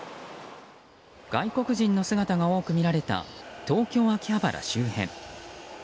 外国人の姿が多くみられた東京・秋葉原周辺。